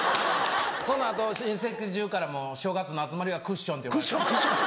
その後親戚中からもう正月の集まりはクッションって呼ばれて。